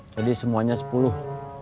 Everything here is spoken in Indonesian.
jadi semuanya sepuluh